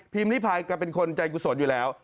ลิพายก็เป็นคนใจกุศลอยู่แล้ว